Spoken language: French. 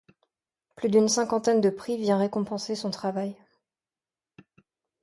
Plus d’une cinquantaine de prix vient récompenser son travail.